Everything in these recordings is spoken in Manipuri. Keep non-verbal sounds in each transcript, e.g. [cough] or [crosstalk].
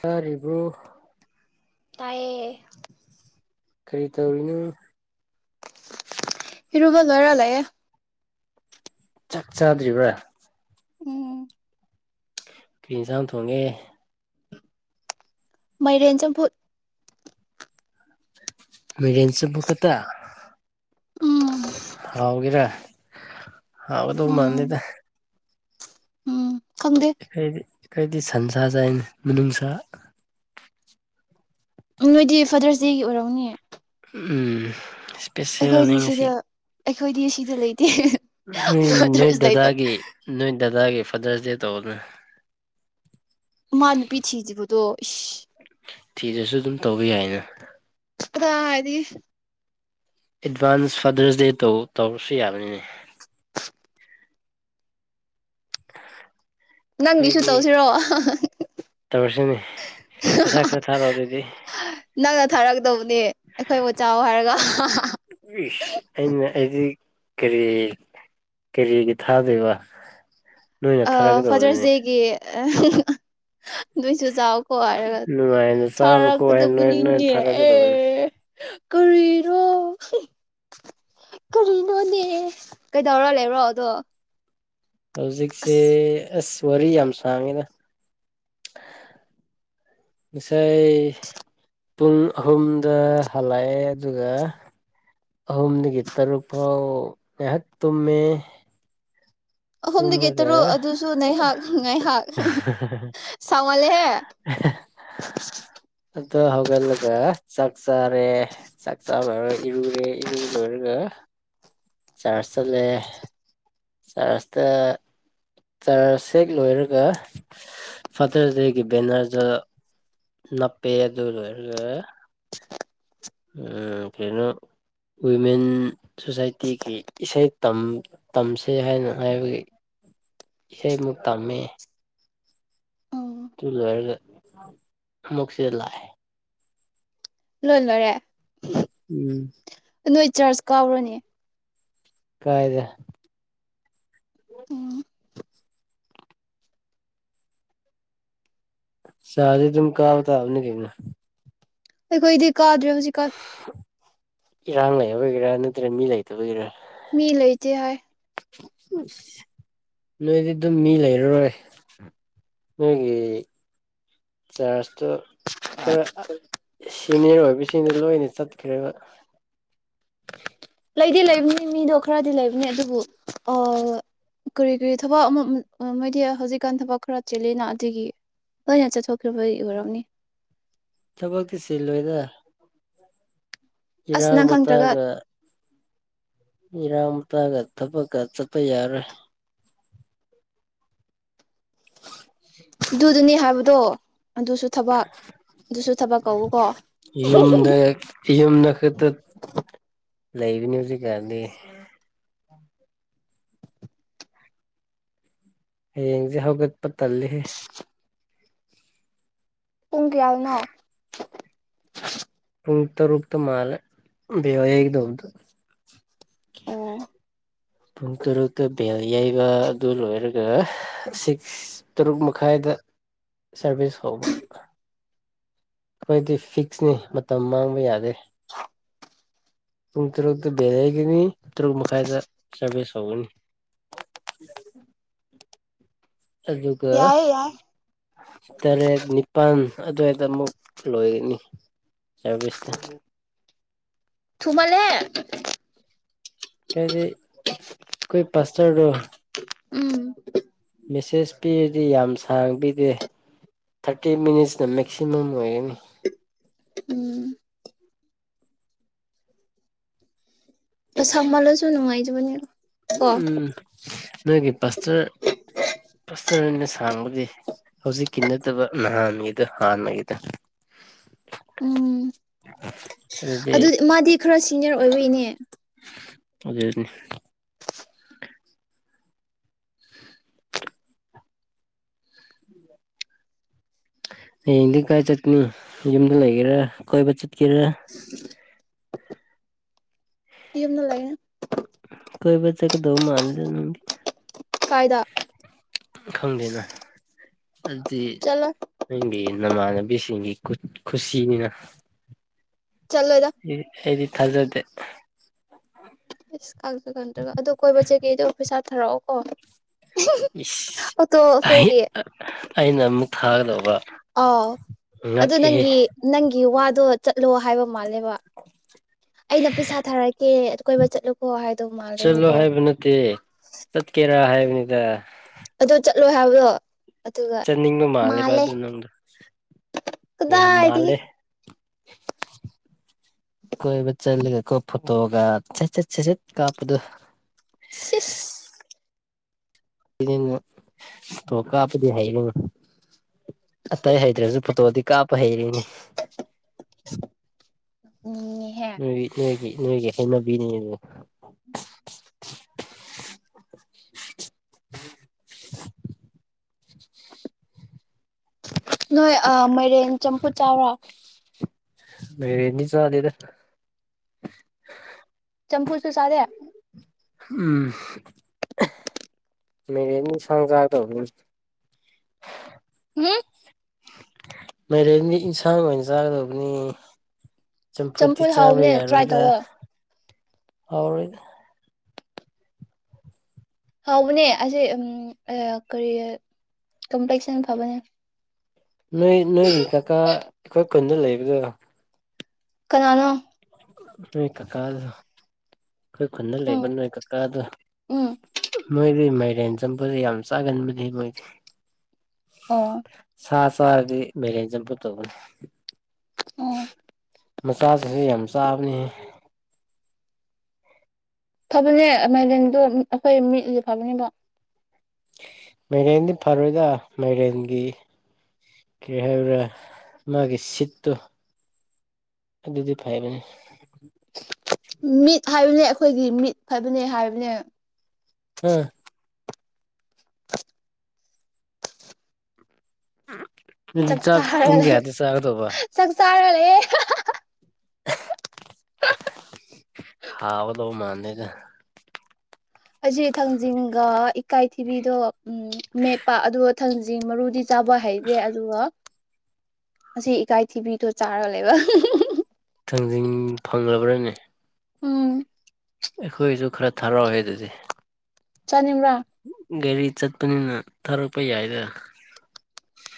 ꯇꯥꯥꯔꯤꯕ꯭ꯔꯨ‌ꫭ ꯇꯥꯏꯌꯦ ꯀꯔꯤ ꯇꯧꯔꯤꯅꯣ ꯔꯨꯕ ꯂꯣꯏꯔ ꯂꯩꯌꯦꯦ ꯆꯥꯛ ꯆꯥꯗ꯭ꯔꯤꯕ꯭ꯔꯥ ꯎꯝ ꯀꯁꯝ ꯊꯣꯡꯉꯦ ꯃꯩꯔꯦꯟ ꯆꯝ ꯐ ꯃꯔꯟ ꯆꯕ ꯀꯇ ꯎꯝ [unintelligible] ꯍꯥꯎꯒꯔꯦ ꯍꯥꯎꯗ ꯎꯝ ꯃꯥꯅꯤꯗ ꯎꯝ ꯈꯪꯗꯦ ꯍꯗꯤ ꯀꯩꯗꯤ ꯁꯟꯁ ꯁꯥꯏꯅꯤ ꯃꯅꯨꯡꯁꯥ ꯅꯣꯏꯗꯤ ꯐꯥꯗꯔꯁ ꯗꯦꯒꯤ ꯑꯣꯏꯔꯛꯅꯦ ꯎꯝ ꯏꯁꯦꯁꯦꯜ ꯑꯅꯤꯡ ꯑꯁꯤ ꯁꯤꯗ ꯑꯩꯈꯣꯏꯗꯤ ꯁꯤꯗ ꯂꯩꯇꯦ ꯅꯣꯏ ꯅꯣꯏ ꯐꯥꯗꯔꯁ ꯂꯩꯇꯕ ꯗꯗꯥꯒꯤ ꯅꯣꯏ ꯗꯗꯥꯗꯥꯒꯤ ꯐꯗꯁ ꯗꯦ ꯇꯧꯕꯅ ꯃꯥ ꯅꯨꯄꯤ ꯊꯤꯁꯤꯕꯨꯗꯣ ꯏ ꯊꯤꯖꯁꯨ ꯑꯗꯨꯝ ꯇꯧꯕ ꯌꯥꯏꯅꯦ ꯑ ꯍꯥꯏꯗꯤ ꯑꯦꯗꯚꯥꯟꯁ ꯐꯥꯗꯔꯁ ꯗꯦ ꯇꯧ ꯇꯧꯔꯁꯨ ꯌꯥꯕꯅꯤꯅꯦ ꯅꯪꯒꯤꯁꯨ ꯑꯩꯩꯗꯤ ꯇꯧꯁꯤꯔꯣ ꯇꯧꯔꯁꯤꯅꯤ ꯄꯩꯁꯥ ꯈꯔ ꯊꯥꯔꯛꯑꯣ ꯑꯗꯨꯣꯏꯗꯤ ꯅꯪꯅ ꯊꯥꯔꯒ ꯀꯗꯧꯕꯅꯦ ꯑꯩꯈꯣꯏꯕꯨ ꯆꯥꯎ ꯍꯥꯏꯔꯒ ꯏꯁ ꯑꯩꯅ ꯑꯩꯗꯤ ꯀꯔꯤ ꯀꯔꯤꯒꯤ ꯊꯥꯗꯣꯏꯕ ꯅꯣꯏꯅ ꯑ ꯊꯥꯔꯛꯀꯗꯧꯕꯅꯤ ꯐꯥꯗꯔꯁ ꯗꯦꯒꯤ ꯑ ꯑꯗꯨꯏꯁꯨ ꯆꯥꯛꯀꯣ ꯍꯥꯏꯔꯒ ꯅꯨꯡꯉꯥꯏꯅ ꯆꯥꯕꯀꯣ ꯍꯥꯏ ꯅꯣꯏ ꯅꯣꯏ ꯆꯥꯔꯛꯀꯗꯕꯨꯅꯤꯅꯦ ꯑꯦ ꯊꯥꯔꯛꯀꯗꯕꯅꯤ ꯀꯔꯤꯔꯣ ꯀꯔꯤꯅꯣꯅꯦ ꯀꯩꯗꯧꯔꯣ ꯂꯩꯕ꯭ꯔꯣ ꯑꯗꯣ ꯍꯧꯖꯤꯛꯁꯦ ꯑꯁ ꯑꯁ ꯔꯤ ꯌꯥꯝ ꯁꯥꯥꯡꯉꯗ [unintelligible] ꯉꯥꯏ ꯄꯨꯡ ꯑꯍꯨꯝꯗ ꯍꯜꯂꯛꯑꯦ ꯑꯗꯨꯒ ꯑꯍꯨꯝꯗꯒꯤ ꯇꯔꯨꯛ ꯐꯥꯎ ꯉꯥꯏꯍꯥꯛ ꯇꯨꯝꯃꯤ ꯑꯍꯨꯝꯗꯒꯤ ꯇꯨꯝꯔꯒ ꯇꯔꯨꯛ ꯑꯗꯨꯁꯨ ꯅꯩꯍꯥꯛ ꯉꯥꯏꯍꯥꯛ ꯁꯥꯡꯃꯜꯂꯦꯍꯦ ꯑꯗꫭ ꯍꯧꯒꯠꯂꯒ ꯆꯥꯛ ꯆꯥꯔꯦ ꯆꯥꯛ ꯆꯥ ꯂꯣꯏꯔ ꯏꯔꯨꯔꯦ ꯏꯔꯨ ꯂꯣꯏꯔꯒ ꯆꯥꯔꯖ ꯆꯠꯂꯦ ꯆꯥꯔꯖꯇ ꯆꯥꯔꯖ ꯍꯦꯛ ꯂꯣꯏꯔꯒ ꯐꯇꯔ ꯗꯦꯒꯤ ꯕꯦꯅꯔꯗꯨ ꯅꯞꯄꯦ ꯑꯗꯨ ꯂꯣꯏꯔꯒ ꯎꯝ ꯀꯩꯅꯣ ꯋꯤꯃꯦꯟ ꯁꯣꯁꯥꯏꯇꯤꯒꯤ ꯏꯁꯩ ꯇꯝ ꯇꯝꯁꯦ ꯍꯥꯏꯅ ꯍꯥꯏꯕꯒꯤ ꯏꯁꯩ ꯑꯃꯨꯛ ꯇꯝꯃꯦ ꯎꯝ ꯇꯨ ꯂꯣꯏꯔꯒ ꯑꯃꯛꯁꯤꯗ ꯂꯥꯛꯑꯦ ꯂꯣꯏ ꯂꯣꯏꯔꯦ ꯎꯝ ꯅꯣꯏ ꯆꯥꯔꯖ ꯀꯥꯎꯔꯅꯤ ꯀꯥꯏꯗ ꯎꯝ ꯆꯥꯗꯤ ꯑꯗꯨꯝ ꯀꯥꯕ ꯇꯥꯕꯅꯤ ꯀꯩꯅꫭ ꯑꯩꯈꫭꯏꯗꯤ ꯀꯥꯗ꯭ꯔꯦ ꯍꯩꯖꯤꯛ ꯀꯥꯟ ꯏꯔꯥꯡ ꯂꯩꯕꯒꯤꯔꯥ ꯅꯠꯇ꯭ꯔ ꯃꯤ ꯂꯩꯇꯕ ꯒꯤꯔꯥ ꯃꯤ ꯂꯩꯇꯦ ꯍꯥꯏ ꯅꯣꯏꯗꯤ ꯑꯗꯨꯝ ꯃꯤ ꯂꯩꯔꯔꯣꯏ ꯅꯣꯏꯒꯤ ꯆꯥꯔꯖ ꯇꯣ ꯈꯔ ꯑꯥ ꯁꯤꯅꯤꯌꯔ ꯑꯣꯏꯕꯁꯤꯅ ꯂꯣꯏꯅ ꯆꯠꯈ꯭ꯔꯦꯕ ꯂꯩꯗꯤ ꯂꯩꯕꯅꯤ ꯃꯤꯗꯣ ꯈꯔꯗꯤ ꯂꯩꯕꯅꯦ ꯑꯗꯨꯕꯨ ꯑꫭ ꯀꯔꯤ ꯀꯔꯤ ꯊꯕꯛ ꯑꯃ ꯃꯣꯏꯗꯤ ꯍꯧꯖꯤꯛꯀꯥꯟ ꯊꯕꯛ ꯈꯔ ꯆꯤꯜꯂꯤꯅ ꯑꯗꯨꯒꯤ ꯂꯣꯏꯅ ꯆꯠꯊꯣꯛꯈꯕꯩ ꯑꯣꯏꯔꯝꯅꯤ ꯊꯕꯛꯇꯤ ꯆꯤꯜꯂꯣꯏꯗ ꯑꯁ ꯏꯔꯥꯡ ꯅꯪ ꯈꯪꯗ꯭ꯔꯒ ꯃꯇꯥꯒ ꯏꯔꯥꯡ ꯃꯇꯥꯒ ꯊꯕꯛꯀ ꯆꯠꯄ ꯌꯥꯔꯣꯏ ꯑꯗꯨꯗꯨꯅꯤ ꯍꯥꯏꯕꯗꯣ ꯑꯗꯨꯁꯨ ꯊꯕꯛ ꯑꯗꯨꯁꯨ ꯊꯕꯛ ꯀꯧꯕꯀꯣ ꯌꯨꯝꯗ ꯌꯨꯝꯗ ꯈꯛꯇ ꯂꯩꯕꯅꯤ ꯍꯧꯖꯤꯛꯀꯥꯟꯗꯤ ꯍꯌꯦꯡꯁꯦ ꯍꯧꯒꯠꯄ ꯇꯜꯂꯦꯍꯦ ꯄꯨꯡ ꯀꯌꯥꯗꯅꫭ ꯄꯨꯡ ꯇꯔꯨꯛꯇ ꯃꯥꯜꯂꯦ ꯚꯦꯜ ꯌꯩꯒꯗꯧꯕꯗꯣ ꯑꯣ ꯄꯨꯡ ꯇꯔꯨꯛꯇ ꯚꯦꯜ ꯌꯩꯕ ꯑꯗꯨ ꯂꯣꯏꯔꯒ ꯁꯤꯛꯁ ꯇꯔꯨꯛ ꯃꯈꯥꯏꯗ ꯁꯥꯔꯚꯤꯁ ꯍꯧꯕ ꯑꯩꯈꯣꯏꯗꯤ ꯐꯤꯛꯁꯅꯤ ꯃꯇꯝ ꯃꯥꯡꯕ ꯌꯥꯗꯦ ꯄꯨꯡ ꯇꯔꯨꯛꯇ ꯕꯦꯜ ꯌꯩꯒꯅꯤ ꯇꯔꯨꯛ ꯃꯈꯥꯏꯗ ꯁꯥꯔꯚꯤꯁ ꯍꯧꯒꯅꯤ ꯑꯗꯨꯒ ꯌꯥꯏꯌꯦ ꯌꯥꯏ ꯇꯔꯦꯠ ꯅꯤꯄꯥꯟ ꯑꯗꯨꯋꯥꯏꯗ ꯑꯃꯨꯛ ꯂꯣꯏꯒꯅꯤ ꯁꯥꯔꯚꯤꯁꯇ ꯊꯨꯃꯜꯂꯦ ꯀꯩꯗꯤ ꯈꫭꯏ ꯄꯥꯁꯇꯔꯗꫭ ꯎꯝ ꯃꯦꯁꯦꯖ ꯄꯤꯔꯗꯤ ꯌꯥꯝ ꯁꯥꯡ ꯕꯤꯗꯦ ꯊꯥꯔꯇꯤ ꯃꯤꯅꯤꯠꯁꯅ ꯃꯦꯛꯁꯤꯃꯝ ꯑꯣꯏꯒꯅꯤ ꯎꯝ ꯑ ꯁꯥꯃꯜꯂꯁꯨ ꯅꯨꯡꯉꯥꯏꯖꯕꯅꯦ ꯀꯣ ꯎꯝ ꯅꯣꯏꯒꯤ ꯄꯥꯁꯇꯔ ꯄꯥꯁꯇꯔꯅ ꯁꯥꯡꯕꯗꯤ ꯍꯧꯖꯤꯛꯀꯤ ꯅꯠꯇꯕ ꯅꯍꯥꯟꯒꯤꯗꫭ ꯍꯥꯟꯅꯒꯤꯗꫭ ꯎꯝ ꯑ ꯑꯗꯨ ꯃꯥꯗꯤ ꯈꯔ ꯁꯤꯅꯤꯌꯔ ꯑꯣꯏꯕ ꯏꯅꯦ ꯑꯗꯨꯗꯅꯤ [inaudible] ꯎ ꯍꯌꯦꯡꯗꯤ ꯀꯥꯏ ꯆꯠꯀꯅꯤ ꯌꯨꯝꯗ ꯂꯩꯒꯦꯔ ꯀꯣꯏꯕ ꯆꯠꯀꯦꯔ ꯌꯨꯝꯅ ꯂꯩ ꯀꯣꯏꯕ ꯆꯠꯀꯗꯕ ꯃꯥꯟꯗꯦ ꯅꯪꯗꯤ ꯀꯥꯏꯗ ꯈꯪꯗꯦꯅ ꯑꯗꯨꯗꯤ ꯆꯠꯂꯣꯏ ꯅꯪꯒꯤ ꯅꯃꯥꯟꯅꯕ ꯕꯤꯔꯁꯤꯡꯒꯤ ꯈꯨꯠ ꯈꯨꯠꯁꯤꯅꯤꯅ ꯆꯠꯂꯣꯏꯗ ꯗꯤ ꯑꯩꯗꯤ ꯊꯥꯖꯗꯦ ꯏꯁ ꯀꯥꯟꯇ ꯀꯥꯥꯟꯇ꯭ꯔꯒ ꯑꯗꯨ ꯀꯣꯏꯕ ꯆꯠꯀꯦ ꯑꯗꯨ ꯄꯩꯁꯥ ꯊꯥꯔꯛꯑꯣ ꯀꯣ ꯏꯁ ꯑꯩ ꯐꯤꯌꯔꯒꯤ ꯑꯩꯅꯃꯨꯛ ꯊꯥꯒꯗꯧꯕ ꯑꯣ ꯑꯗꯨ ꯉꯛꯑꯦꯍꯦ ꯅꯪꯒꯤ ꯅꯪꯒꯤ ꯋꯥꯗꯣ ꯆꯠ ꯂꯣ ꯍꯥꯏꯕ ꯃꯥꯜꯂꯦꯕ ꯑꯩꯅ ꯄꯩꯁꯥ ꯊꯥꯔꯛꯀꯦ ꯀꯣꯏꯕ ꯆꯠꯂꯣꯀꯣ ꯍꯥꯏ ꯆꯠꯂꯣ ꯍꯥꯏꯕ ꯅꯠꯇꯦ ꯆꯠꯀꯦꯔꯥ ꯍꯥꯏꯕꯅꯦ ꯗꯥ ꯑꯗꯣ ꯆꯠꯂꯣ ꯍꯥꯏꯕꯗꯣ ꯑꯗꯨꯒ ꯆꯠꯅꯤꯡꯕ ꯃꯥꯜꯂꯦꯕ ꯃꯥꯜꯂꯦ ꯑꯗꯨ ꯅꯪꯗꯣ ꯌꯥꯝ ꯀꯗꯥꯏꯗꯒꯤ ꯃꯥꯜꯂꯦ ꯀꯣꯏꯕ ꯆꯠꯂꯒ ꯀꯣ ꯐꯣꯇꯣꯒ ꯆꯦꯠ ꯆꯦꯠ ꯆꯦꯆꯦꯠ ꯀꯥꯞꯄꯗꯣ ꯁꯤꯁ [unintelligible] ꯐꯣꯇꯣ ꯀꯥꯞꯄꯗꯤ ꯍꯩꯔꯦꯅꯦ ꯑꯇꯩ ꯍꯩꯇ꯭ꯔꯖꯨ ꯐꯣꯇꯣꯗꯤ ꯀꯥꯞꯄ ꯍꯩꯔꯦꯅꯦ [inaudible] ꯃꯔꯤ [unintelligible] ꯅꯣꯏꯒꯤ ꯍꯩꯅꯕꯤꯅꯤ ꯑꯗꯨ ꯅꯣꯏ ꯑ ꯃꯥꯏꯔꯦꯟ ꯆꯝꯐꯨꯠ ꯆꯥꯕ꯭ꯔꯥ ꯃꯥꯏꯔꯦꯟꯗꯤ ꯆꯥꯗꯦꯗ ꯆꯝꯐꯨꯠꯁꯨ ꯆꯥꯗꯦ ꯎꯝ ꯃꯥꯏꯔꯦꯟꯗꯤ ꯁꯪ ꯖꯥ ꯇꯧꯕꯒꯨꯝꯅꯤ ꯎꯝ ꯃꯥꯏꯔꯦꯟꯗꯤ ꯏꯟꯁꯥꯡ ꯑꯣꯏꯅ ꯆꯥꯒꯗꯕꯅꯤ ꯆꯝꯐꯨꯠꯇꯤ ꯆꯝꯐꯨꯠ ꯆꯥꯕ ꯍꯥꯎꯕꯅꯦ ꯇ꯭ꯔꯥꯏ ꯌꯥꯔꯣꯏꯗ ꯇꯧꯋꯣ ꯍꯥꯎꯔꯣꯏꯗ ꯍꯥꯎꯕꯅꯦ ꯑꯁꯤ ꯀꯔꯤ ꯀꯝꯄ꯭ꯂꯦꯛꯁꯟ ꯐꯕꯅꯦ ꯅꯣꯏ ꯅꯣꯏꯒꯤ ꯀꯀꯥ ꯑꯩꯈꯣꯏ ꯈꯨꯟꯗ ꯂꯩꯕꯗꯣ ꯀꯅꯅꯣ ꯅꯣꯏ ꯀꯀꯥꯗꯨ ꯑꯩꯈꯣꯏ ꯈꯨꯟꯗ ꯎꯝ ꯂꯩꯕ ꯅꯣꯏ ꯀꯀꯥꯗꯣ ꯎꯝ ꯅꯣꯏꯗꯤ ꯃꯥꯏꯔꯦꯟ ꯆꯝꯐꯨꯠꯁꯦ ꯌꯥꯝ ꯆꯥꯒꯟꯕꯅꯦ ꯃꯣꯏꯗꯤ ꯑꯣ ꯁꯥ ꯆꯥꯔꯗꯤ ꯃꯥꯏꯔꯦꯟ ꯆꯝꯐꯨꯠꯇꯩꯒꯅꯤ ꯑꯣ ꯃꯆꯥꯁꯤꯡꯁꯨ ꯌꯥꯝ ꯆꯥꯕꯅꯤ ꯐꯕꯅꯦ ꯃꯥꯏꯔꯦꯟꯗꯣ ꯑꯩꯈꯣꯏ ꯃꯤꯠꯁꯦ ꯐꯕꯅꯦꯕ ꯃꯥꯏꯔꯦꯟꯗꯤ ꯐꯔꯣꯏꯗ ꯃꯥꯏꯔꯦꯟꯒꯤ ꯀꯔꯤ ꯍꯥꯏꯕ꯭ꯔꯥ ꯃꯥꯒꯤ ꯁꯤꯠꯇꯣ ꯑꯗꯨꯗꯤ ꯐꯕꯅꯤ ꯃꯤꯠ ꯍꯥꯏꯕꯅꯦ ꯑꯩꯈꯣꯏꯒꯤ ꯃꯤꯠ ꯐꯕꯅꯦ ꯍꯥꯏꯕꯅꯦ ꯎꯝ [inaudible] ꯑꯗꯨꯗꯤ ꯆꯥꯛ ꯄꯨꯡ ꯆꯥꯔꯒ ꯀꯌꯥꯗ ꯆꯥꯒꯗꯧꯕ ꯆꯥꯛ ꯆꯥꯔꯒ ꯂꯩꯌꯦ ꯍꯥꯎꯌꯗꯧꯕ ꯃꯥꯥꯟꯗꯦ ꯅ [unintelligible] ꯑꯩꯁꯦ ꯊꯥꯡꯖꯤꯡꯒ ꯏꯀꯥꯏꯊꯤꯕꯤꯗꯣ ꯎꯝ ꯃꯦꯠꯄ ꯑꯗꯨꯒ ꯊꯥꯡꯖꯤꯡ ꯃꯔꯨꯗꯤ ꯆꯥꯕ ꯍꯩꯇꯦ ꯑꯗꯨꯒ ꯑꯁꯤ ꯏꯀꯥꯏ ꯊꯤꯕꯤꯗꯣ ꯆꯥꯔꯒꯂꯩꯕ ꯊꯥꯡꯖꯤꯡ ꯐꯪꯂꯕ꯭ꯔꯥꯅꯦ ꯎꯝ ꯑꯩꯈꯣꯏꯁꯨ ꯈꯔ ꯊꯔꯛꯑꯣꯍꯦ ꯑꯗꯨꯗꯤ ꯆꯥꯅꯤꯡꯕ꯭ꯔꯥ ꯒꯥꯔꯤ ꯆꯠꯄꯅꯤꯅ ꯊꯥꯔꯛꯄ ꯌꯥꯏꯗ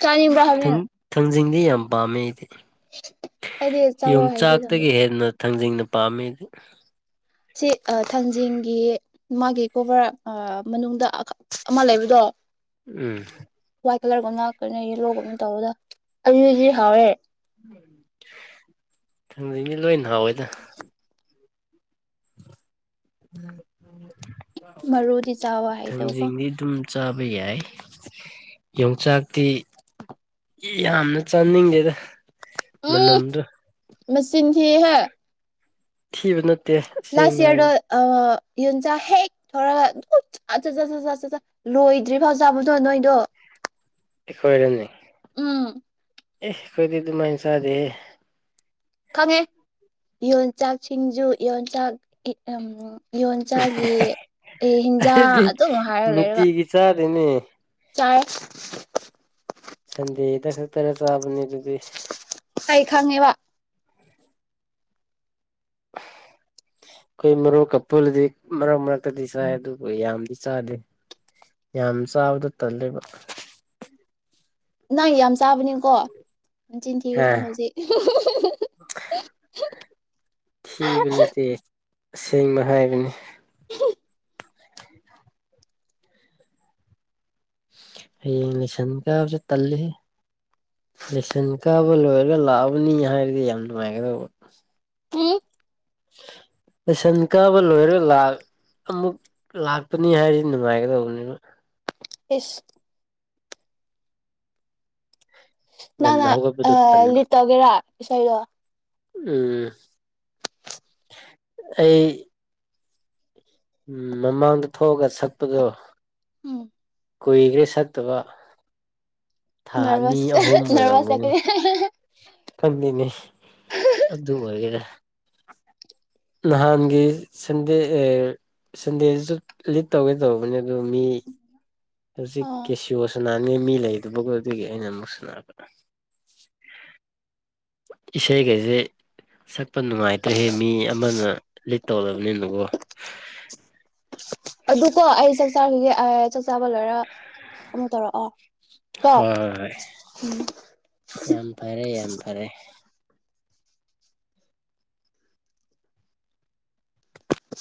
ꯆꯥꯅꯤꯕ꯭ꯔꯥ ꯍꯥꯏꯕꯅꯦ ꯊꯥꯡ ꯊꯥꯡꯖꯤꯡꯗꯤ ꯌꯥꯝ ꯄꯥꯝꯃꯦ ꯑꯩꯗꯤ ꯑꯩꯗꯤ ꯆꯥꯕ ꯍꯩꯇꯦ ꯊꯥꯡꯖꯤꯡ ꯌꯣꯡꯆꯥꯛꯇꯒꯤ ꯍꯦꯟꯅ ꯊꯥꯡꯖꯤꯡꯅ ꯄꯥꯝꯃꯤ ꯁꯤ ꯊꯥꯡꯖꯤꯡꯒꯤ ꯃꯥꯒꯤ ꯀꯣꯕꯔ ꯃꯅꯨꯡꯗ ꯑꯃ ꯂꯩꯕꯗꯣ ꯎꯝ ꯋꯥꯏꯠ ꯀꯂꯔ ꯌꯦꯂꯣꯒꯨꯝ ꯇꯧꯕꯗꯣ ꯑꯗꯨꯗꯨꯗꯤ ꯍꯥꯎꯋꯦ ꯊꯥꯡꯖꯤꯡꯗꯤ ꯂꯣꯏꯅ ꯍꯥꯎꯋꯦꯗ ꯃꯔꯨꯗꯤ ꯆꯥꯕ [inaudible] ꯍꯩꯇꯕꯀꯣ ꯊꯥꯡꯖꯤꯡꯗꯤ ꯑꯗꯨꯝ ꯆꯥꯕ ꯕ ꯌꯥꯏ ꯌꯣꯡꯆꯥꯛꯇꯤ ꯌꯥꯝꯅ ꯆꯥꯅꯤꯡꯗꯦꯗ ꯃꯅꯝꯗꫭ ꯃꯆꯤꯟꯊꯤ ꯍꯦ ꯊꯤꯕ ꯅꯠꯇꯦ ꯑꯁꯦꯡꯕ ꯍꯥꯏꯕ ꯌꯣꯟꯆꯥꯛ ꯍꯦꯛ ꯊꫭꯔꯒ ꯑꯗꯨꯝ ꯆꯥ ꯆ ꯆ ꯆ ꯆ ꯆꯆꯥ ꯂꯣꯏꯗ꯭ꯔꯤ ꯐꯥꯎ ꯆꯥꯕꯗꯣ ꯅꯣꯏꯗꯣ ꯑꯩꯈꯣꯏꯔꯅꯦ ꯎꯝ ꯑꯦ ꯑꯩꯈꯣꯏꯗꯤ ꯑꯗꯨꯃꯥꯏꯅ ꯆꯥꯗꯦꯍꯦ ꯈꯪꯉꯦ ꯌꯣꯟꯆꯥꯛ ꯁꯤꯡꯖꯨ ꯌꯣꯟꯆꯥꯛ ꯀꯤ [unintelligible] ꯌꯣꯟꯆꯥꯛꯒꯤ ꯑꯦ ꯍꯤꯟꯖꯥꯡ ꯑꯗꯨꯝ ꯍꯥꯏꯔꯒ ꯂꯩꯔꯒ ꯗꯦꯅꯦ ꯆꯥꯏ ꯁꯟꯗꯦꯗ ꯈꯛꯇꯔ ꯆꯥꯕꯅꯦ ꯑꯗꯨ ꯑꯩ ꯈꯪꯉꯦꯕ ꯑꯩꯈꯣꯏ ꯃꯔꯣꯛ ꯀ ꯄꯨꯜꯗꯤ ꯃꯔꯛ ꯃꯔꯛꯇꯗꯤ ꯆꯥꯏ ꯑꯗꯨꯕꯨ ꯌꯥꯝꯗꯤ ꯆꯥꯗꯦ ꯌꯥꯝ ꯆꯥꯕꯗꫭ ꯇꯜꯂꯦꯕ ꯅꯪ ꯌꯥꯝ ꯆꯥꯕꯅꯤꯀꯣ ꯑꯗꯨ ꯅꯆꯤꯟ ꯑ ꯊꯤꯒꯅꯨ ꯍꯧꯖꯤꯛ ꯊꯤꯕ ꯅꯠꯇꯦ ꯑꯁꯦꯡꯕ ꯍꯥꯏꯕꯅꯤ ꯍꯌꯦꯡ ꯂꯦꯁꯟ ꯀꯥꯕꯁꯤ ꯇꯜꯂꯤ ꯍꯦ ꯂꯦꯁꯟ ꯀꯥꯕ ꯂꯣꯏꯔꯒ ꯂꯥꯛꯑꯕꯅꯤ ꯍꯥꯏꯔꯗꯤ ꯌꯥꯝ ꯅꯨꯡꯉꯥꯏꯒꯗꯧꯕ ꯎꯝ ꯂꯦꯁꯟ ꯀꯥꯕ ꯂꯣꯏꯔꯒ ꯂꯥꯛ ꯑꯃꯨꯛ ꯂꯥꯛꯄꯅꯤ ꯍꯥꯏꯗꯤ ꯅꯨꯡꯉꯥꯏꯒꯗꯧꯕꯅꯦꯕ ꯏꯁ ꯅꯪꯅ ꯉꯟꯅ ꯑ ꯍꯧꯒꯠꯄꯗꯣ ꯇꯟꯕ ꯂꯤꯇ ꯇꯧꯒꯦꯔꯥ ꯏꯁꯩꯥꯏꯗ ꯎꯝ ꯑꯩ ꯎꯝ ꯃꯃꯥꯡꯗ ꯊꯣꯛꯑꯒ ꯁꯛꯄꯗꯣ ꯀꯨꯏꯒ꯭ꯔꯦ ꯁꯛꯇꯕ ꯊꯥ ꯑꯅꯤ ꯅꯔꯚꯁ ꯑꯍꯨꯝ ꯅꯔꯚꯁ ꯑꯣꯏꯔꯝꯒꯅꯤ ꯆꯠꯀꯅꯤ ꯈꯪꯗꯦꯅꯦ ꯑꯗꯨ ꯑꯣꯏꯒꯦꯔꯥ ꯅꯍꯥꯟꯒꯤ ꯁꯟꯗꯦ ꯑꯦ ꯁꯟꯗꯦꯁꯤꯁꯨ ꯂꯤꯠ ꯇꯧꯒꯦ ꯇꯧꯕꯅꯦ ꯎ ꯃꯤ ꯍꯧꯖꯤꯛ ꯑꯥ ꯀꯦꯁꯤꯑꫭ ꯁꯨ ꯅꯍꯥꯟꯒꯩ ꯃꯤ ꯂꯩꯗꯕꯀꫭ ꯑꯗꯨꯒꯤ ꯑꯩꯅ ꯑꯃꯨꯛ ꯁꯅꯥꯕ ꯏꯁꯩ ꯈꯩꯁꯦ ꯁꯛ ꯁꯛꯄ ꯅꯨꯡꯉꯥꯏꯇ꯭ꯔꯦꯍꯦ ꯃꯤ ꯑꯃꯅ ꯂꯤꯠ ꯇꯧ ꯎꯅꯤꯅ ꯀꫭ ꯑꯗꯨꯀꯣ ꯑꯩ ꯆꯥꯛ ꯆꯥꯒꯤꯒꯦ ꯑꯩ ꯆꯥꯕ ꯂꯣꯏꯔꯥ ꯑꯃꯨꯛ ꯇꯧꯔꯛꯑꯣ ꯀꯣ ꯍꯣꯏ ꯍꯣꯏ ꯍꯣꯏ ꯎꯝ ꯌꯥꯝ ꯐꯔꯦ ꯌꯥꯝ ꯐꯔꯦ